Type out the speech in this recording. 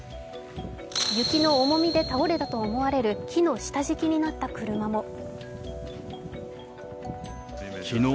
雪の重みで倒れたと思われる木の下敷きになった車も。